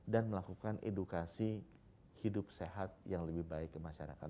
dan melakukan edukasi hidup sehat yang lebih baik ke masyarakat